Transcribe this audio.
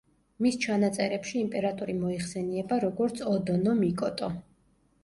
მის ჩანაწერებში იმპერატორი მოიხსენიება, როგორც ოდო ნო მიკოტო.